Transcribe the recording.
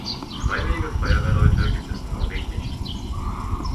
Freiwillige Feuerwehrleute gibt es in Norwegen nicht.